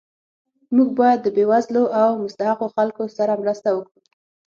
موږ باید د بې وزلو او مستحقو خلکو سره مرسته وکړو